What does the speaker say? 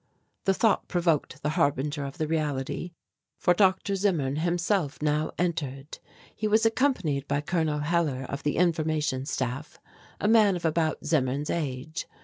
The thought proved the harbinger of the reality, for Dr. Zimmerman himself now entered. He was accompanied by Col. Hellar of the Information Staff, a man of about Zimmern's age.